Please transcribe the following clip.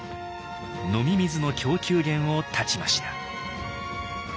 飲み水の供給源を断ちました。